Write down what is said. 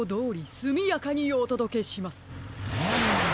すみやかにおとどけします。